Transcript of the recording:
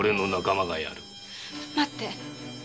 待って！